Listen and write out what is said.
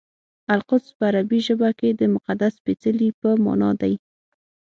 القدس په عربي ژبه کې د مقدس سپېڅلي په مانا دی.